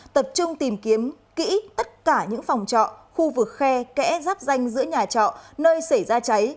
tập trung tìm kiếm kỹ tất cả những phòng trọ khu vực khe kẽ giáp danh giữa nhà trọ nơi xảy ra cháy